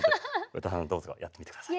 詩羽さんどうぞやってみてください。